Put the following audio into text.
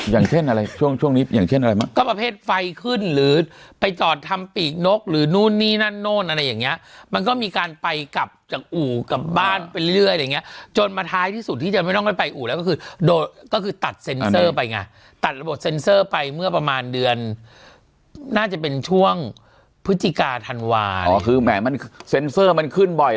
อย่างเช่นอะไรช่วงช่วงนี้อย่างเช่นอะไรมากก็ประเภทไฟขึ้นหรือไปจอดทำปีกนกหรือนู่นนี่นั่นนู่นอะไรอย่างเงี้ยมันก็มีการไปกลับจากอู่กลับบ้านไปเรื่อยอะไรอย่างเงี้ยจนมาท้ายที่สุดที่จะไม่ต้องได้ไปอู่แล้วก็คือโดนก็คือตัดเซ็นเซอร์ไปไงตัดระบบเซ็นเซอร์ไปเมื่อประมาณเดือนน่าจะเป็นช่วงพฤศจิกาธันวาอ๋อคือแหมมันเซ็นเซอร์มันขึ้นบ่อย